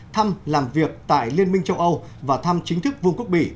thăm làm việc tại liên minh châu âu và thăm chính thức vương quốc bỉ